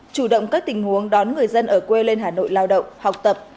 chủ động các tình huống đón người dân ở quê lên hà nội lao động học tập